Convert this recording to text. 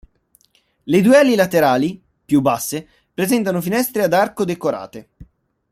Le due ali laterali, più basse, presentano finestre ad arco decorate.